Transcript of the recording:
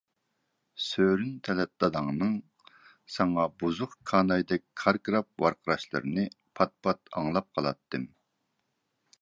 سۆرۈن تەلەت داداڭنىڭ ساڭا بۇزۇق كانايدەك كاركىراپ ۋارقىراشلىرىنى پات-پات ئاڭلاپ قالاتتىم.